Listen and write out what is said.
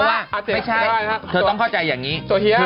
ว่าไม่ใช่เธอต้องเข้าใจอย่างนี้